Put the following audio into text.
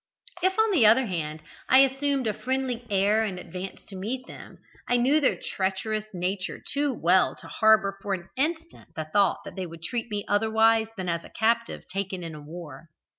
If, on the other hand, I assumed a friendly air and advanced to meet them, I knew their treacherous nature too well to harbour for an instant the thought that they would treat me otherwise than as a captive taken in war.